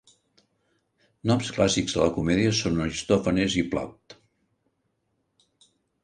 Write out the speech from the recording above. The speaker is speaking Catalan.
Noms clàssics de la comèdia són Aristòfanes i Plaute.